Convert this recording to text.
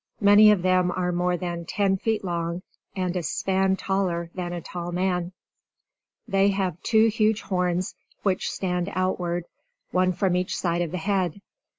Many of them are more than ten feet long, and a span taller than a tall man. They have two huge horns which stand outward, one from each side of the head.